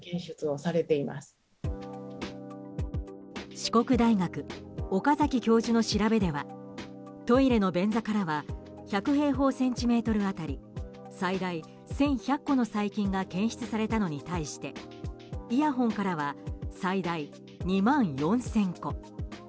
四国大学岡崎教授の調べではトイレの便座からは１００平方センチメートル当たり最大１１００個の細菌が検出されたのに対してイヤホンからは最大２万４０００個。